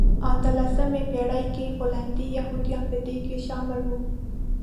اتلمسې پېړۍ کې پولنډي یهودان په دې شامل وو.